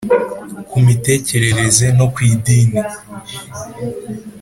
Ku mitekerereze no ku idini.